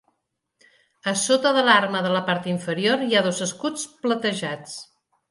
A sota de l'arma de la part inferior hi ha dos escuts platejats.